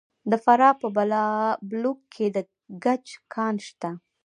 د فراه په بالابلوک کې د ګچ کان شته.